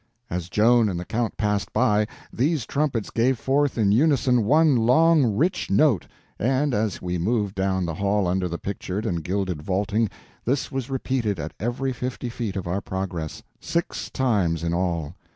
As Joan and the Count passed by, these trumpets gave forth in unison one long rich note, and as we moved down the hall under the pictured and gilded vaulting, this was repeated at every fifty feet of our progress—six times in all.